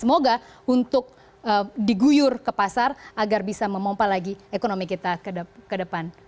semoga untuk diguyur ke pasar agar bisa memompa lagi ekonomi kita kedepan